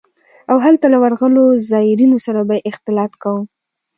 او هلته له ورغلو زايرينو سره به يې اختلاط کاوه.